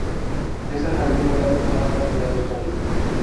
Es el jardín botánico más grande de Australia.